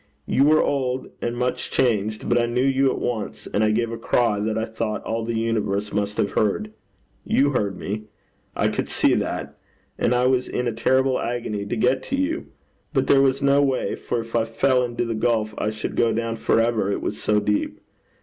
You were old and much changed, but I knew you at once, and I gave a cry that I thought all the universe must have heard. You heard me. I could see that. And I was in a terrible agony to get to you. But there was no way, for if I fell into the gulf I should go down for ever, it was so deep.